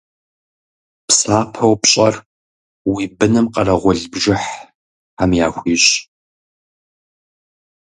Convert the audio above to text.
Псапэу пщӏэр уи быным къэрэгъул бжыхь Тхьэм яхуищӏ.